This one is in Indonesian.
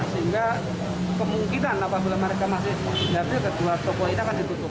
sehingga kemungkinan apabila mereka masih berarti kedua toko ini akan ditutup